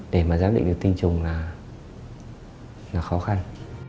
để mà giám định được tin chung là khó khăn